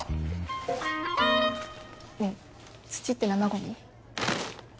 ねぇ土って生ゴミ？